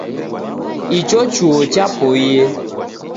Icho chuo cha poie